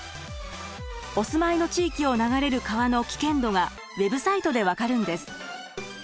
お住まいの地域を流れる川の危険度がウェブサイトで分かるんです。